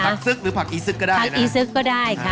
ซึกหรือผักอีซึกก็ได้ผักอีซึกก็ได้ค่ะ